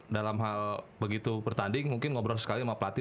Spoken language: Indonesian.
dalam hal begitu pertanding mungkin ngobrol sekali sama pelatih